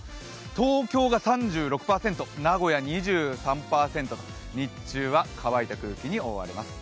東京が３６％、名古屋２３％、日中は乾いた空気に覆われます。